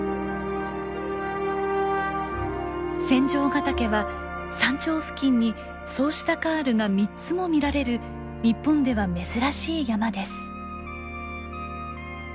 仙丈ヶ岳は山頂付近にそうしたカールが３つも見られる日本では珍しい山です。